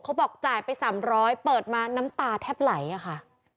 เขาบอกจ่ายไป๓๐๐เปิดมาน้ำตาแทบไหลอะค่ะ